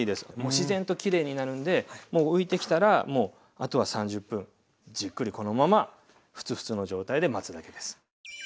自然ときれいになるんでもう浮いてきたらあとは３０分じっくりこのままフツフツの状態で待つだけです。